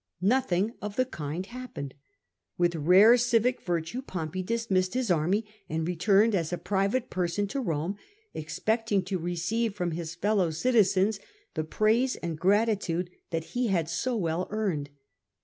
Nothing of the kind happened. With rare civic virtue THE EETURN OF POMPEY 187 Pompey dismissed his army, and returned as a private person to Eome, expecting to receive from his fellow citizens the praise and gratitude that he had so well earned.